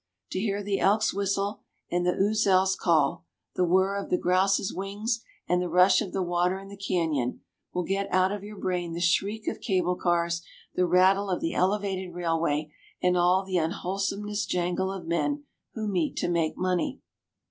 To hear the elk's whistle and the ouzel's call, the whirr of the grouse's wings and the rush of the water in the canyon, will get out of your brain the shriek of cable cars, the rattle of the elevated railway, and all the unwholesome jangle of men who meet to make money.